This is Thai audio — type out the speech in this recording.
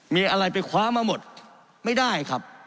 มีอะไรไปคว้ามาหมดไม่ได้ครับ